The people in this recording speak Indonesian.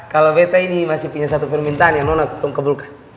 kalau beta ini masih punya satu permintaan yang nona tuh pengen kabulkan